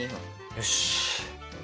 よし！